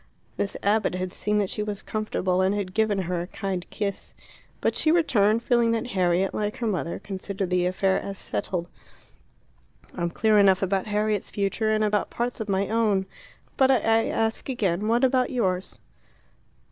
Miss Abbott had seen that she was comfortable, and had given her a kind kiss. But she returned feeling that Harriet, like her mother, considered the affair as settled. "I'm clear enough about Harriet's future, and about parts of my own. But I ask again, What about yours?"